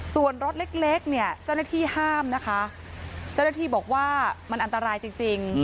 ส่วนรถเล็กเนี่ยเจ้าหน้าที่ห้ามนะคะเจ้าหน้าที่บอกว่ามันอันตรายจริง